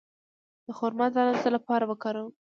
د خرما دانه د څه لپاره وکاروم؟